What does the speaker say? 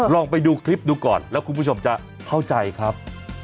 ลองไปดูคลิปดูก่อนแล้วคุณผู้ชมจะเข้าใจครับ